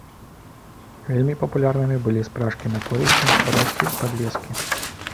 Вельмі папулярнымі былі спражкі на поясе, брошкі і падвескі.